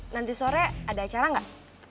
nanti sore ada acara nggak